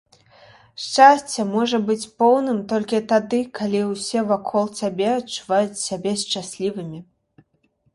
Шчасце можа быць поўным толькі тады, калі ўсе вакол цябе адчуваюць сябе шчаслівымі